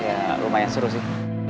ya lumayan seru sih